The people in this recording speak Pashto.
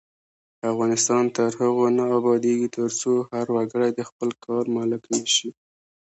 افغانستان تر هغو نه ابادیږي، ترڅو هر وګړی د خپل کار مالک نشي.